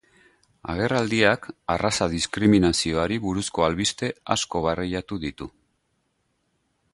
Agerraldiak arraza-diskriminazioari buruzko albiste asko barreiatu ditu.